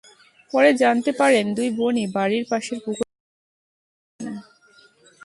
পরে জানতে পারেন, দুই বোনই বাড়ির পাশের পুকুরে গোসল করতে গেছেন।